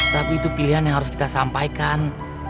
tapi itu pilihan yang harus kita sampaikan